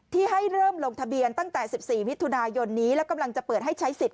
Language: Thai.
ให้เริ่มลงทะเบียนตั้งแต่๑๔มิถุนายนนี้แล้วกำลังจะเปิดให้ใช้สิทธิ